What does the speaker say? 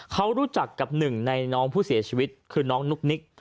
เขารู้จักกับหนึ่งในน้องผู้เสียชีวิตคือน้องนุ๊กนิก